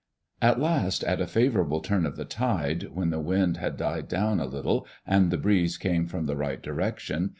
At last, at a favorable turn of the tide, when the wind had died down a little and the breeze came from the right direction.